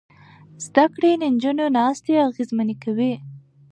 زده کړې نجونې ناستې اغېزمنې کوي.